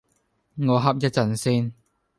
我瞌一陣先